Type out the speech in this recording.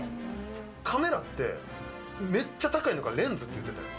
カメラって、めっちゃ高いのがレンズって言ってて。